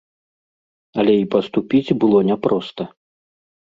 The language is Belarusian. Але й паступіць было няпроста.